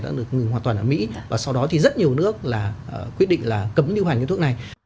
đã được ngừng hoàn toàn ở mỹ và sau đó thì rất nhiều nước là quyết định là cấm lưu hành những thuốc này